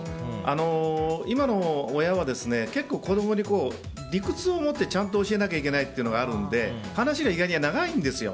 今の親は結構、子供に理屈をもってちゃんと教えないといけないというのがあるので話が長いんですよ。